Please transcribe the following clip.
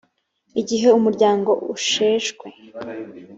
igihe umuryango usheshwe